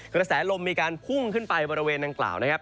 กระแสลมมีการพุ่งขึ้นไปบริเวณดังกล่าวนะครับ